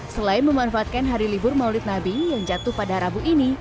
selain memanfaatkan hari libur maulid nabi yang jatuh pada rabu ini